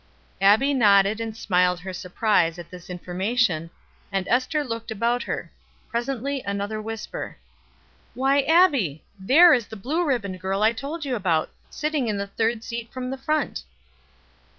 Abbie nodded and smiled her surprise at this information; and Ester looked about her. Presently another whisper: "Why, Abbie, there is the blue ribboned girl I told you about, sitting in the third seat from the front."